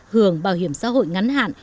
hưởng bảo hiểm xã hội ngắn hạn